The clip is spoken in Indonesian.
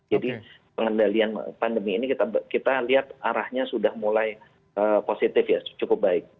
jadi pengendalian pandemi ini kita lihat arahnya sudah mulai positif ya cukup baik